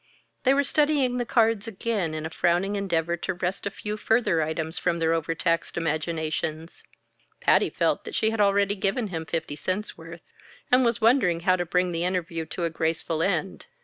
They were studying the cards again in a frowning endeavor to wrest a few further items from their overtaxed imaginations. Patty felt that she had already given him fifty cents' worth, and was wondering how to bring the interview to a graceful end.